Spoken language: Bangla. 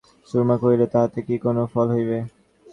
সুরমা কহিল, তাহাতে কি কোনো ফল হইবে?